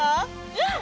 うん！